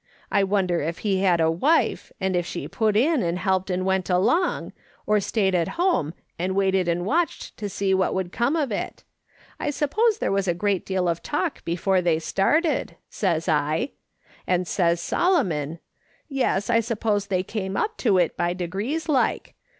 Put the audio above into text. I wonder if he had a wife, and if she put in and helped and went along, or stayed at home and waited and watched to see what would come of it ? I suppose there was a great deal of talk before they started,' says I ; and says Solomon :"' Yes, I suppose they came up to it by degrees like.